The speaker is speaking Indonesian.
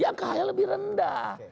yang khl lebih rendah